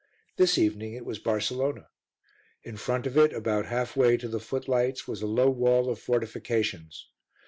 This evening it was Barcelona. In front of it, about halfway to the footlights, was a low wall of fortifications.